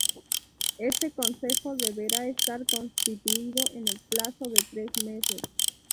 Este Consejo deberá estar constituido en el plazo de tres meses".